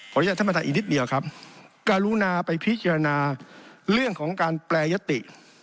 อนุญาตท่านประธานอีกนิดเดียวครับการุณาไปพิจารณาเรื่องของการแปรยติ